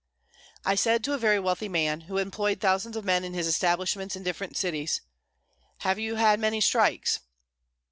I said to a very wealthy man, who employed thousands of men in his establishments in different cities: "Have you had many strikes?"